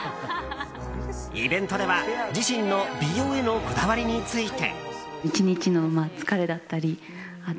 イベントでは、自身の美容へのこだわりについて。